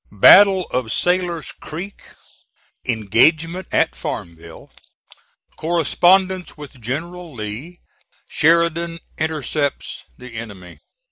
BATTLE OF SAILOR'S CREEK ENGAGEMENT AT FARMVILLE CORRESPONDENCE WITH GENERAL LEE SHERIDAN INTERCEPTS THE ENEMY.